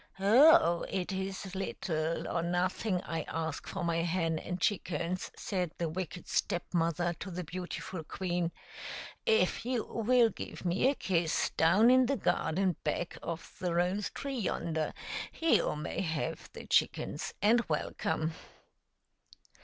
" Oh ! it is little or nothing I ask for my hen and chickens," said the wicked Step mother to the beautiful queen. "If you will give me a kiss down in the garden back of the rose tree yonder, you may have the chickens and welcome."